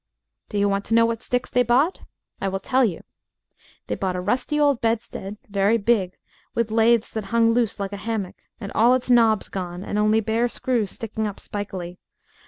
Do you want to know what sticks they bought? I will tell you. They bought a rusty old bedstead, very big, with laths that hung loose like a hammock, and all its knobs gone and only bare screws sticking up spikily.